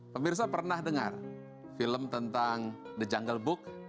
pemirsa pernah dengar film tentang the jungle book